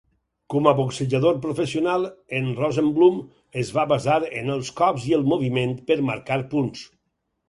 Com a boxejador professional, en Rosenbloom es va basar en els cops i el moviment per marcar punts.